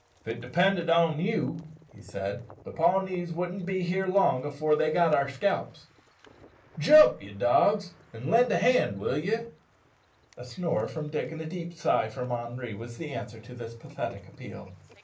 "If it depended on you," he said, "the Pawnees wouldn't be long afore they got our scalps. Jump, ye dogs, an' lend a hand, will ye?" A snore from Dick and a deep sigh from Henri was the answer to this pathetic appeal.